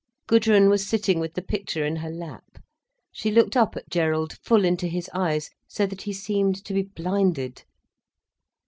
Gudrun was sitting with the picture in her lap. She looked up at Gerald, full into his eyes, so that he seemed to be blinded.